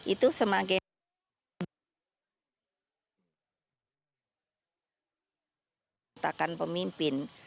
itu semakin memiliki kekuatan pemimpin